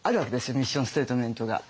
ミッションステートメントが。